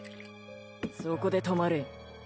そこで止まれ。